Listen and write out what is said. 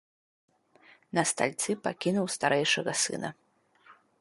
На стальцы пакінуў старэйшага сына.